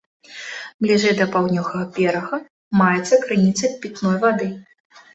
Бліжэй да паўднёвага берага, маецца крыніца пітной вады.